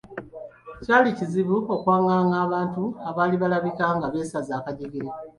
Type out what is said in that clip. Kyali kizibu okwaŋŋaanga abantu abaali balabika nga beesaze akajjegere.